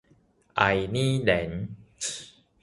愛爾蘭